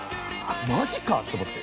マジか！と思って。